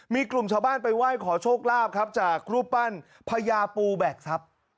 มีกลุ่มชาวบ้านไปไหว้ขอโชคลาภครับจากรูปปั้นพญาปูแบกทรัพย์